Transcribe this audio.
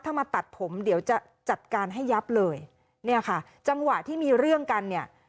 ถ้ามาตัดผมเดี๋ยวจะจัดการให้ยับเลยเนี่ยค่ะจังหวะที่มีเรื่องกันเนี่ย